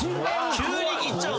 急にいっちゃうの？